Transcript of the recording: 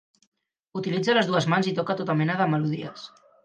Utilitza les dues mans i toca tota mena de melodies.